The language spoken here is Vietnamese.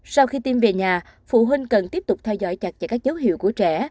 sau khi tiêm về nhà phụ huynh cần tiếp tục theo dõi chặt chẽ các dấu hiệu của trẻ